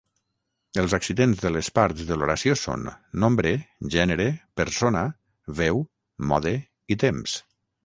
Els accidents de les parts de l’oració són nombre, gènere, persona, veu, mode i temps.